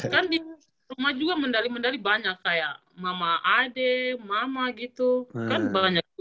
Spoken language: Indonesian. kan di rumah juga medali medali banyak kayak mama adik mama gitu kan banyak